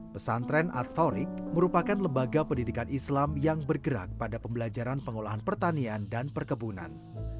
pesantren atorik merupakan lembaga pendidikan islam yang bergerak pada pembelajaran pengolahan pertanian dan perkebunan